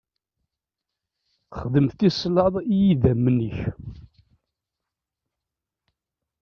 Xdem tislaḍ i idammen-ik.